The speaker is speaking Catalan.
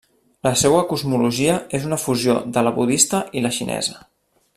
La seua cosmologia és una fusió de la budista i la xinesa.